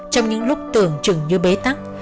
trong những lúc tưởng chừng như bế tắc